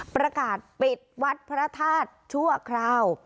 ประกาศปิดวัดพระธาตุชั่วคราว